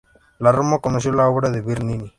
En Roma conoció la obra de Bernini.